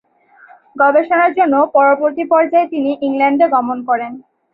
গবেষণার জন্য পরবর্তী পর্যায়ে তিনি ইংল্যান্ডে গমন করেন।